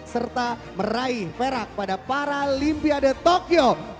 serta meraih perak pada paralimpiade tokyo